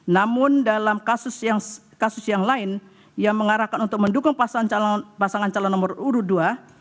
namun dalam kasus yang lain yang mengarahkan untuk mendukung pasangan calon nomor urut dua